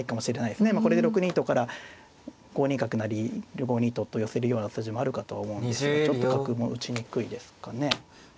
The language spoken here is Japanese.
これで６二とから５二角成５二とと寄せるような筋もあるかとは思うんですがちょっと角も打ちにくいですかね。